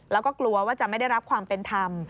แล้วก็กลัวว่าจะไม่ได้รับความเป็นธรรม